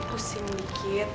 pusing dikit doang